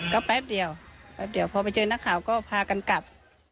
ก็แป๊บเดียวแป๊บเดียวพอไปเจอนักข่าวก็พากันกลับ